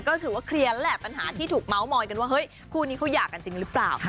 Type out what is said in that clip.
ก็ถือว่าเคลียร์แล้วแหละปัญหาที่ถูกเมาส์มอยกันว่าเฮ้ยคู่นี้เขาหย่ากันจริงหรือเปล่า